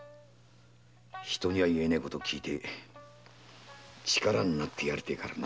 他人には言えねえ事聞いて力になってやりてえからな。